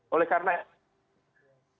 oleh karena itu